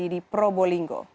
di provinsi probolinggo